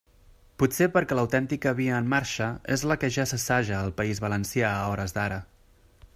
Potser perquè l'autèntica via en marxa és la que ja s'assaja al País Valencià a hores d'ara.